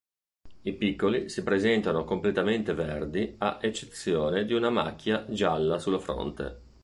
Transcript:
I piccoli si presentano completamente verdi a eccezione di una macchia gialla sulla fronte.